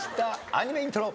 アニメイントロ。